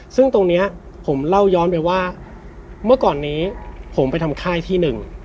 ซึ่งตรงนี้ผมเล่าย้อนไปว่าเมื่อก่อนนี้ผมไปทำค่ายที่หนึ่ง